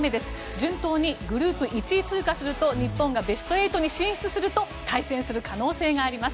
順当にグループ１位通過すると日本が悲願のベスト８に進出すると対戦する可能性があります。